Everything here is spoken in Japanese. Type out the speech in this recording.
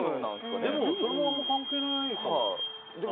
でも、それもあんまり関係ないかな。